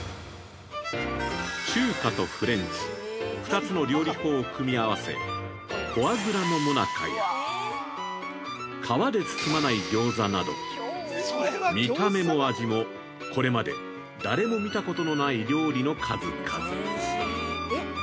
中華とフレンチ２つの料理法を組み合わせフォワグラのもなかや皮で包まない餃子など見た目も味も、これまで誰も見たことのない料理の数々。